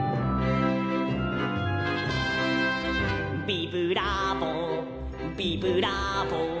「ビブラーボビブラーボ」